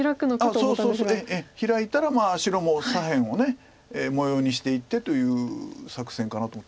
ええヒラいたら白も左辺を模様にしていってという作戦かなと。